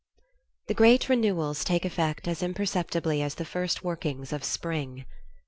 XIV The great renewals take effect as imperceptibly as the first workings of spring.